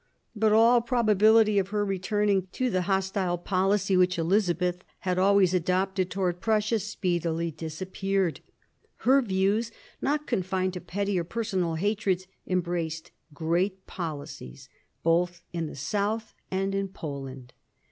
But all probability of her returning to the hostile policy which Elizabeth had always adopted towards Prussia speedily disappeared. Her views, not confined to petty or personal hatreds, embraced great policies both in the South and in Poland.